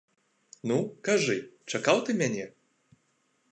Ну, кажы, чакаў ты мяне?